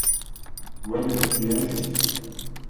Voyons, tu es injuste.